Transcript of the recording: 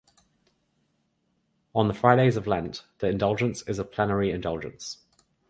On the Fridays of Lent, the indulgence is a plenary indulgence.